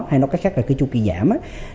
hay nó khác khác là cái chu kỳ giảm